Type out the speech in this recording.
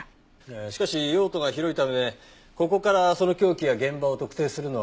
しかし用途が広いためここからその凶器や現場を特定するのは難しいと思います。